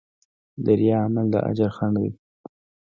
د ریا عمل د اجر خنډ دی.